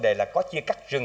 đồng chí cắt rừng